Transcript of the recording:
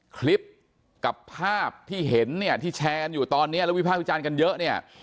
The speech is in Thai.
คลิปกับภาพที่เห็นเนี่ยที่แชร์กันอยู่ตอนนี้แล้ววิภาควิจารณ์กันเยอะเนี่ย